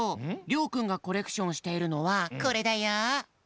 りょうくんがコレクションしているのはこれだよ。